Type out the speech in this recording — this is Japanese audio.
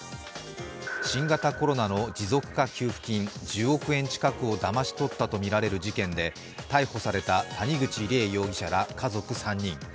新型コロナの持続化給付金１０億円近くをだまし取ったとみられる事件で逮捕された、谷口梨恵容疑者ら家族３人。